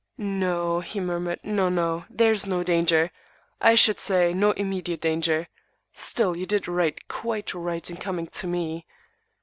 "No," he murmured, "no, no. There is no danger. I should say, no immediate danger. Still you did right, quite right, in coming to me.